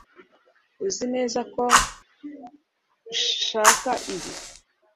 uzi neza ko udashaka ibi